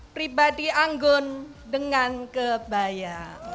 pribadi anggun dengan kebaya